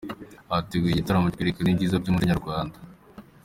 Hateguwe igitaramo cyo kwerekana ibyiza by’umuco Nyarwanda